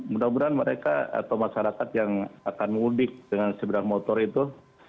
mudah mudahan mereka atau masyarakat yang akan mudik dengan seberang motor itu